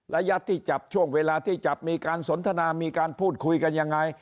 ระยะที่จับช่วงเวลาที่จับมีการสนทนามีการพูดคุยกันยังไง